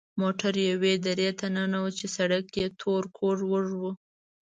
موټر یوې درې ته ننوت چې سړک یې تور کوږ وږ و.